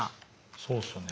そうっすね。